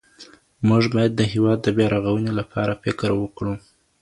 موږ بايد د هېواد د بيا رغونې لپاره فکر وکړو.